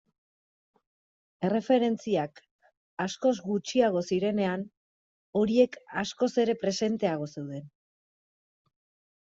Erreferentziak askoz gutxiago zirenean, horiek askoz ere presenteago zeuden.